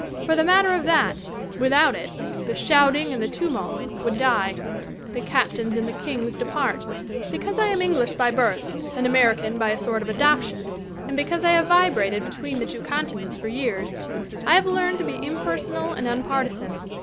For the matter of that, without it 'the shouting and the tumult' would die, 'the captains and the kings depart.' "Because I am English by birth and American by a sort of adoption, and because I have vibrated be tween the two continents for years, I have learned to be impersonal and unpartisan.